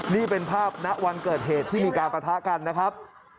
นี่เป็นภาพณวันเกิดเหตุที่มีการปะทะกันนะครับ